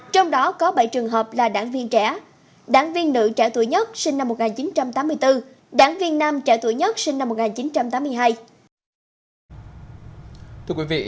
trong đó có bảy trường hợp là đảng viên trẻ đảng viên nữ trẻ tuổi nhất sinh năm một nghìn chín trăm tám mươi bốn đảng viên nam trẻ tuổi nhất sinh năm một nghìn chín trăm tám mươi hai